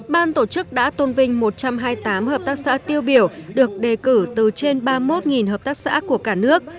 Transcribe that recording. ban tổ chức đã tôn vinh một trăm hai mươi tám hợp tác xã tiêu biểu được đề cử từ trên ba mươi một hợp tác xã của cả nước